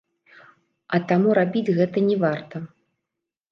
А таму рабіць гэта не варта.